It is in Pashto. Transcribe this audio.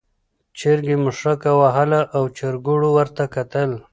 چرګې مښوکه وهله او چرګوړو ورته کتل.